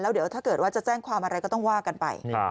เดี๋ยวถ้าเกิดว่าจะแจ้งความอะไรก็ต้องว่ากันไป